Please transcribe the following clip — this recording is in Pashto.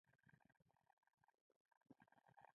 • دښمني د ویرې احساس راولي.